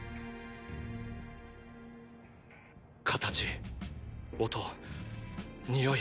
形音匂い。